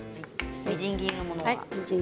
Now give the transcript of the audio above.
みじん切りのものです。